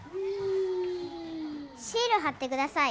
シール貼ってください。